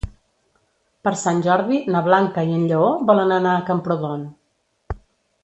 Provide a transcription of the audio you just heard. Per Sant Jordi na Blanca i en Lleó volen anar a Camprodon.